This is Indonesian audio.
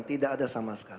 tidak ada sama sekali